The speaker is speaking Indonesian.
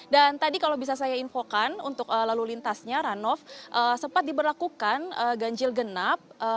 dan tadi kalau bisa saya infokan untuk lalu lintasnya runoff sempat diberlakukan ganjil genap